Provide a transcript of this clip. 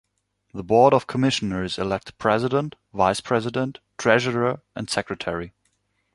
The Board of Commissioners elect a President, Vice President, Treasurer and Secretary.